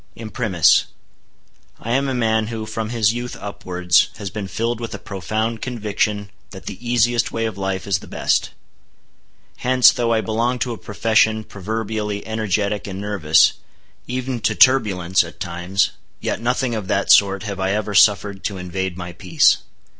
Imprimis: I am a man who, from his youth upwards, has been filled with a profound conviction that the easiest way of life is the best. Hence, though I belong to a profession proverbially energetic and nervous, even to turbulence, at times, yet nothing of that sort have I ever suffered to invade my peace.